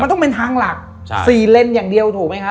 มันต้องเป็นทางหลัก๔เลนอย่างเดียวถูกไหมคะ